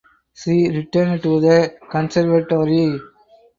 She returned to the Conservatoire.